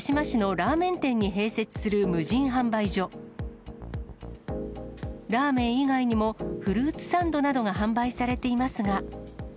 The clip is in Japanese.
ラーメン以外にも、フルーツサンドなどが販売されていますが。